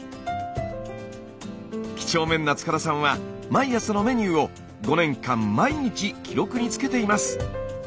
きちょうめんな塚田さんは毎朝のメニューを５年間毎日記録につけています。